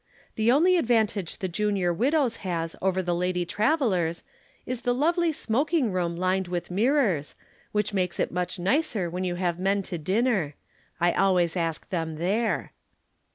The only advantage the Junior Widows' has over the Lady Travellers' is the lovely smoking room lined with mirrors, which makes it much nicer when you have men to dinner. I always ask them there."